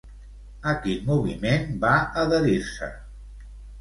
A quin moviment va adherir-se?